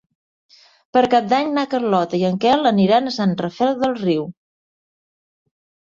Per Cap d'Any na Carlota i en Quel aniran a Sant Rafel del Riu.